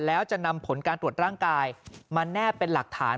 แล้วจะนำผลการตรวจร่างกายมาแนบเป็นหลักฐาน